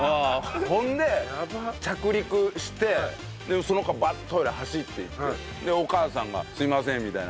ほんで着陸してその子がバッとトイレに走っていってお母さんが「すいません」みたいな。